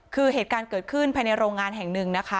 คือเหตุการณ์เกิดขึ้นภายในโรงงานแห่งหนึ่งนะคะ